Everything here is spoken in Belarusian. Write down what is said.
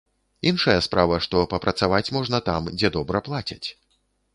Іншая справа, што папрацаваць можна там, дзе добра плацяць.